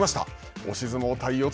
押し相撲対四つ